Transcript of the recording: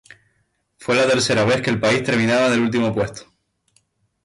Fue la tercera vez que el país terminaba en el último puesto.